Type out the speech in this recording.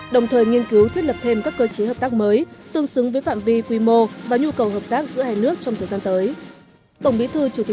đồng thời nghiên cứu thiết lập thêm các cơ chế hợp tác mới